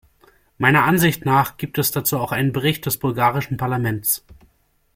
Meiner Ansicht nach gibt es dazu auch einen Bericht des bulgarischen Parlaments.